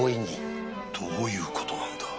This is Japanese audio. どういう事なんだ？